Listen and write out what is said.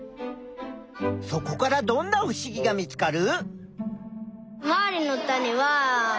そこからどんなふしぎが見つかる？